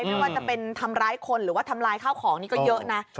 ไม่ว่าจะเป็นทำร้ายคนหรือว่าทำลายข้าวของนี่ก็เยอะนะ